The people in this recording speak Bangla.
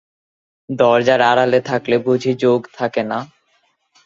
দরজার আড়ালে থাকলে বুঝি যোগ থাকে না?